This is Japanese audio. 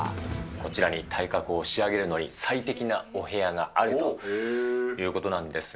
こちらに、体格を仕上げるのに最適なお部屋があるということなんですが。